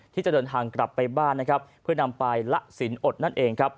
ที่จะเดินทางกลับไปบ้านนะครับเพื่อนำไปละสินอดนั่นเองครับ